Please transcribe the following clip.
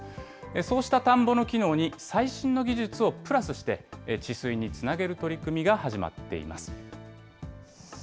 そうした田んぼの機能に最新の技術をプラスして、治水につなげる取り組みが始まっています。